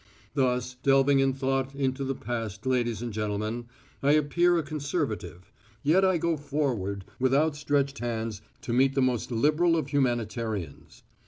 "Thus delving in thought into the past, ladies and gentlemen, I appear a conservative, yet I go forward with outstretched hands to meet the most liberal of humanitarians.